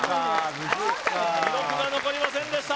記録が残りませんでした